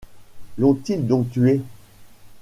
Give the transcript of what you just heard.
L’ont-ils donc tué ?